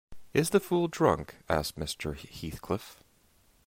‘Is the fool drunk?’ asked Mr. Heathcliff.